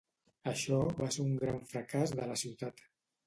Això va ser un gran fracàs de la ciutat